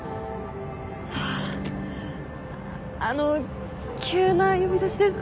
あの急な呼び出しで。